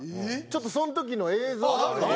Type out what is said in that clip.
ちょっとその時の映像があるので。